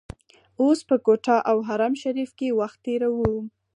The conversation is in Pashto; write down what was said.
اوس په کوټه او حرم شریف کې وخت تیروو.